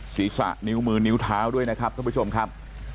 ศีรษะนิ้วมือนิ้วเท้าด้วยนะครับท่านผู้ชมครับ